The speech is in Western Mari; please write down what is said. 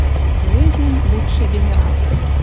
Поэзин лучший генерал.